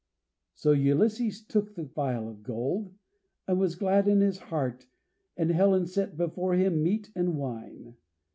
So Ulysses took the phial of gold, and was glad in his heart, and Helen set before him meat and wine.